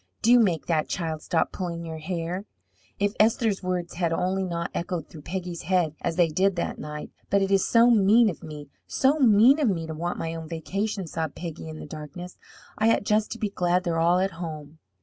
Do make that child stop pulling your hair!" If Esther's words had only not echoed through Peggy's head as they did that night! "But it is so mean of me, so mean of me, to want my own vacation!" sobbed Peggy in the darkness. "I ought just to be glad they're all at home."